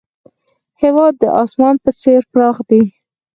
هېواد د اسمان په څېر پراخ دی.